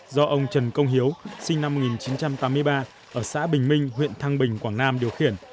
do ông trần công hiếu sinh năm một nghìn chín trăm tám mươi ba ở xã bình minh huyện thăng bình quảng nam điều khiển